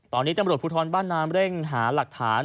ตอนนี้จำรวจผู้ท้อนบ้านน้ำเริ่งหารักฐาน